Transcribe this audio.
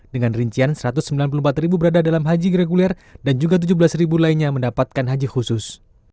dengan rincian satu ratus sembilan puluh empat ribu berada dalam haji reguler dan juga tujuh belas lainnya mendapatkan haji khusus